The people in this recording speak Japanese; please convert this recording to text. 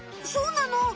そうなの？